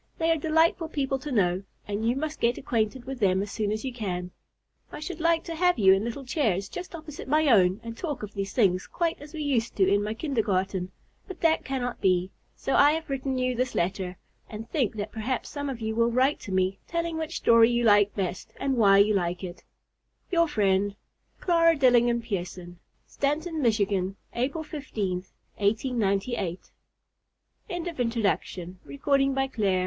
They are delightful people to know, and you must get acquainted with them as soon as you can. I should like to have you in little chairs just opposite my own and talk of these things quite as we used to do in my kindergarten. But that cannot be, so I have written you this letter, and think that perhaps some of you will write to me, telling which story you like best, and why you like it. Your friend, CLARA DILLINGHAM PIERSON. Stanton, Michigan, April 15, 1898. CONTENTS. PAGE MR. RED SQUIRREL COMES TO LIVE IN THE FOREST 13 WHY MR.